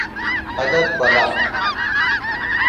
ہَدَت بۡلا